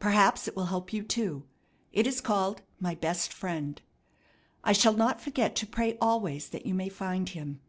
Perhaps it will help you too. It is called 'My Best Friend.' I shall not forget to pray always that you may find Him.